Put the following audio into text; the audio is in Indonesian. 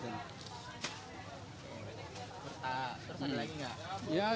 kurta terus ada lagi gak